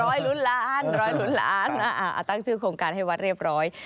ลุ้นล้านร้อยลุ้นล้านตั้งชื่อโครงการให้วัดเรียบร้อย